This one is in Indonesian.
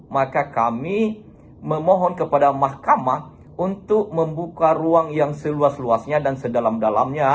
maka kami memohon kepada mahkamah untuk membuka ruang yang seluas luasnya dan sedalam dalamnya